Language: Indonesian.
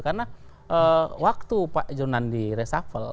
karena waktu pak jonan di resafal